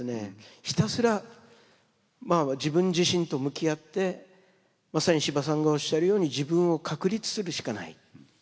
ひたすら自分自身と向き合ってまさに司馬さんがおっしゃるように自分を確立するしかない。